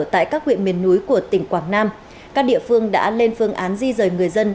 tại các huyện miền núi của tỉnh quảng nam các địa phương đã lên phương án di rời người dân